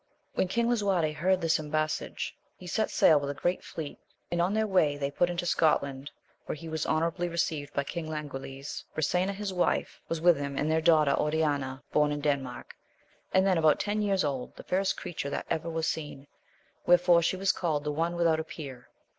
HEN King Lisuarte heard this embassage he set sail with a great fleet, and on their way they put into Scotland, where he was honour »bly received by BangLan^iL"^^, Bi:m\ia.\!kiavnfeyras AMADIS OF GAUL 27 with him, and their daughter Onana, born in Denmark, and then about ten years old/the fairest creature that ever was seen, wherefore she was called the onewithout a peer.